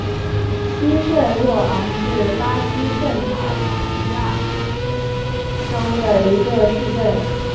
西圣若昂是巴西圣卡塔琳娜州的一个市镇。